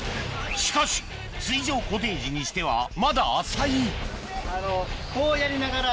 しかし水上コテージにしてはまだ浅いこうやりながら。